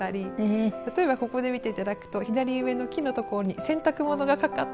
例えばここで見て頂くと左上の木の所に洗濯物がかかっていたり。